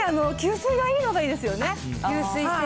やっぱり吸水がいいのがいいですよね。